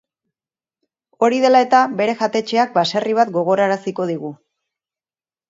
Hori dela eta, bere jatetxeak baserri bat gogoraraziko digu.